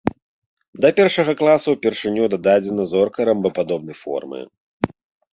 Да першага класа ўпершыню дададзена зорка ромбападобнай формы.